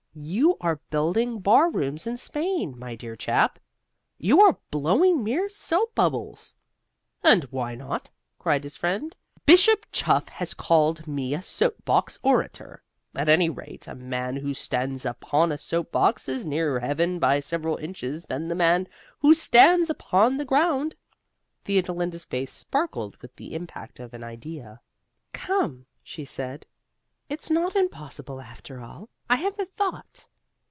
You are building bar rooms in Spain, my dear chap; you are blowing mere soap bubbles." "And why not?" cried his friend. "Bishop Chuff has called me a soap box orator. At any rate, a man who stands upon a soap box is nearer heaven by several inches than the man who stands upon the ground." Theodolinda's face sparkled with the impact of an idea. "Come," she said, "it's not impossible after all. I have a thought.